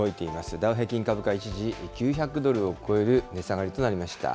ダウ平均株価、一時９００ドルを超える値下がりとなりました。